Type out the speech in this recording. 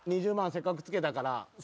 せっかく着けたから。